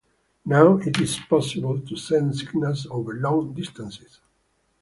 Now it is possible to send signals over long distances.